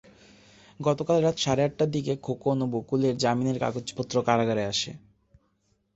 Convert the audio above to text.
গতকাল রাত সাড়ে আটটার দিকে খোকন ও বকুলের জামিনের কাগজপত্র কারাগারে আসে।